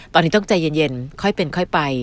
ตอนนี้ต้องใจเย็นค่อยเป็นค่อยไป